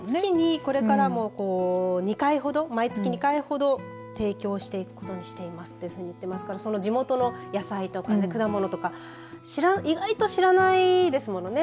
これからも毎月２回ほど提供していくことにしていますというふうに言っていますから地元の野菜とか、果物とか意外と知らないですもんね。